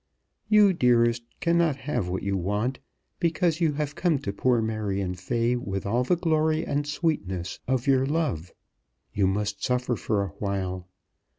You, dearest, cannot have what you want, because you have come to poor Marion Fay with all the glory and sweetness of your love. You must suffer for a while.